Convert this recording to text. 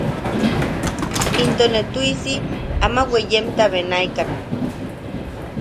Into ne tu’isi ama weeyenta benaikan.